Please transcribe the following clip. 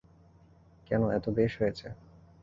কেন, এ তো বেশ হয়েছে।